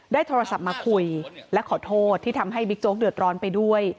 โทรศัพท์มาคุยและขอโทษที่ทำให้บิ๊กโจ๊กเดือดร้อนไปด้วย